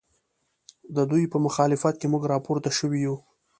ددوی په مخالفت کې موږ راپورته شوي یو